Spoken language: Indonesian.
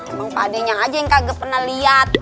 emang pakdenya aja yang kagak pernah liat